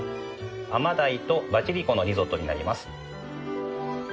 甘鯛とバジリコのリゾットになります。